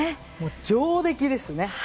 上出来ですね。